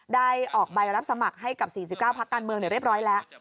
ได้ออกใบรับสมัครให้กับ๔๙พักการเมืองเรียบร้อยแล้ว